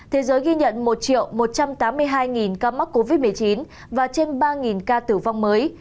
thế giới ghi nhận một một trăm tám mươi hai ca mắc covid một mươi chín và trên ba ca tử vong mới